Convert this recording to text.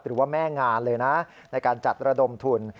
หรือว่าแม่งานเลยนะในการจัดระดมทุน